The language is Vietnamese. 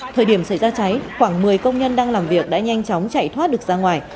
thời điểm xảy ra cháy khoảng một mươi công nhân đang làm việc đã nhanh chóng chạy thoát được ra ngoài